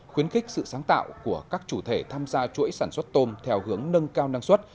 khuyến khích sự sáng tạo của các chủ thể tham gia chuỗi sản xuất tôm theo hướng nâng cao năng suất